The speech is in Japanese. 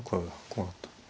こうなったら。